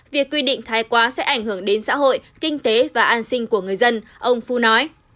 việc quy định thái quá sẽ ảnh hưởng đến xã hội kinh tế và an sinh của người dân ông phu nói